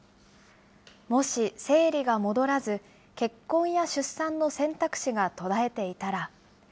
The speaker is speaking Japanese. もし、生理が戻らず結婚や出産の選択肢が途絶えていたら。